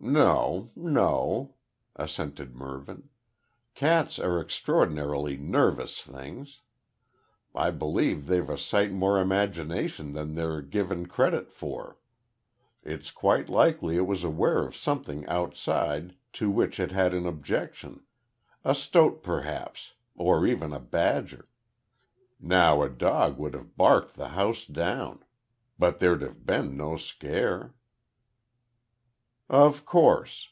"No no," assented Mervyn. "Cats are extraordinarily `nervy' things. I believe they've a sight more imagination than they're given credit for. It's quite likely it was aware of something outside to which it had an objection, a stoat perhaps or even a badger. Now a dog would have barked the house down, but there'd have been no scare." "Of course.